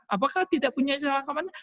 apakah tidak punya celaka amanan